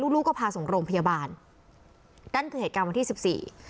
ลูกลูกก็พาส่งโรงพยาบาลนั่นคือเหตุการณ์วันที่สิบสี่